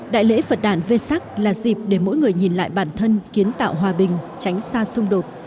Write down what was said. đại lễ phật đàn vê sắc là dịp để mỗi người nhìn lại bản thân kiến tạo hòa bình tránh xa xung đột